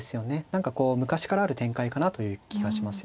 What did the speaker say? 何かこう昔からある展開かなという気がしますよね。